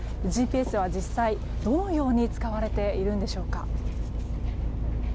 ＧＰＳは、実際どのように使われているのでしょうか。